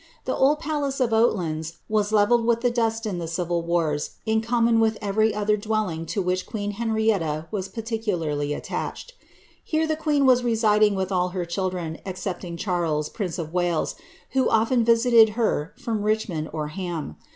The old palace of Oallands was levelled with the diut in the civil wars* in common with every other dwelling to which queen Henrietta was particularly attached. Ilere the queen was residing with all her children excepting Charles, prince of Wales, who often visited her from Richmond or Ham.